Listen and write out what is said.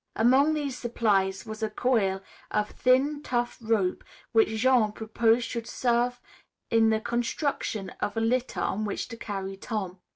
Among these supplies was a coil of thin, tough rope which Jean proposed should serve in the construction of a litter on which to carry Tom.